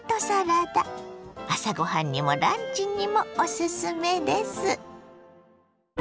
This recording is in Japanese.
朝ご飯にもランチにもおすすめです。